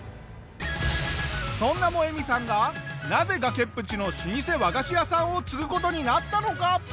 そんなモエミさんがなぜ崖っぷちの老舗和菓子屋さんを継ぐ事になったのか？